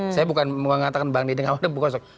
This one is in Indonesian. saya bukan mengatakan bang nideng awadeng penggosok